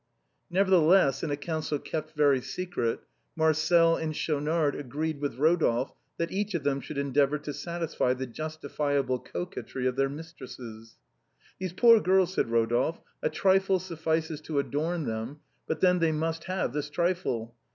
Nevertheless, in a council kept very secret, Marcel and Schaunard agreed with Eodolphe that each of them should endeavor to satisfy the justifiable coquetry of their mis tresses. " These poor girls," said Rodolphe, " a trifle suffices to adorn them, but then they must have this trifle.